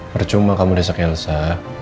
percuma kamu desek elsa